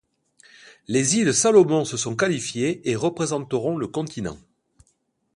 Les Îles Salomon se sont qualifiés et représenteront le continent.